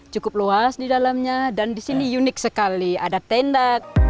cukup luas di dalamnya dan di sini unik sekali ada tenda